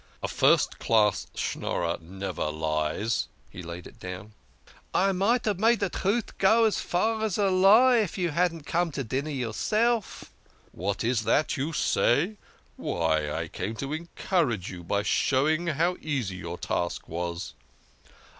" A first class Schnorrer never lies," he laid it down. " I might have made truth go as far as a lie if you hadn't come to dinner yourself." " What is that you say ? Why, I came to encourage you by showing you how easy your task was."